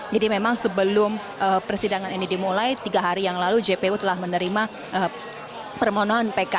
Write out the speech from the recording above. jadi memang sebelum persidangan ini dimulai tiga hari yang lalu jpu telah menerima permohonan pk